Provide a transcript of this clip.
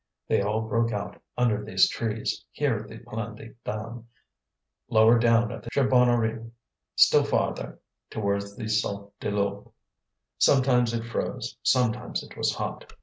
They all broke out under these trees, here at the Plan des Dames, lower down at the Charbonnerie, still farther towards the Saut du Loup. Sometimes it froze, sometimes it was hot.